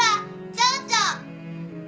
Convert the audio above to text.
ちょうちょ。